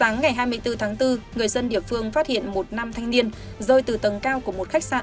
sáng ngày hai mươi bốn tháng bốn người dân địa phương phát hiện một nam thanh niên rơi từ tầng cao của một khách sạn